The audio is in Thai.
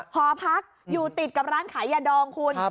หอพักอยู่ติดกับร้านขายยาดองคุณ